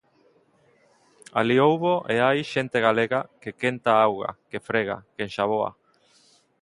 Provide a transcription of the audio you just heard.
Alí houbo e hai xente galega que quenta auga, que frega, que enxaboa.